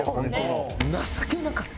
情けなかったです。